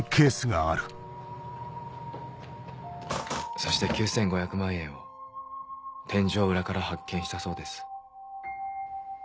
そして９５００万円を天井裏から発見したそうです。